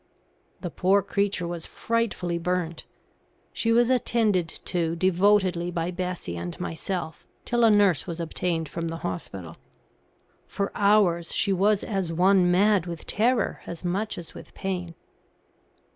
The poor creature was frightfully burnt. She was attended to devotedly by Bessie and myself, till a nurse was obtained from the hospital. For hours she was as one mad with terror as much as with pain.